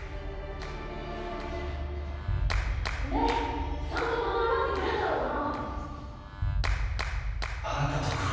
でちゃんと金払ってくれんだろうな？